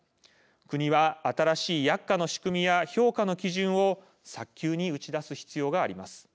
国は、新しい薬価の仕組みや評価の基準を早急に打ち出す必要があります。